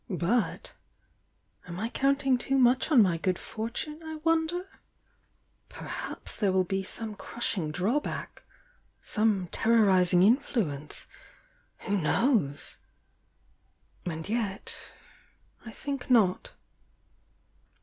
But, — am I counting too much on my good fortune, I wonder? Perhaps there will be some cruirfiing drawback, — some terrorizing influence — who knows! And yet— I think not.